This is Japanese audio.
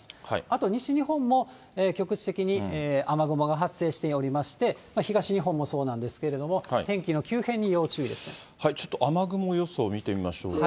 あと西日本も、局地的に雨雲が発生しておりまして、東日本もそうなんですけれども、ちょっと雨雲予想、見てみましょうか。